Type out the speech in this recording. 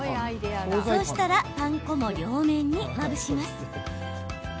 そしたらパン粉も両面にまぶします。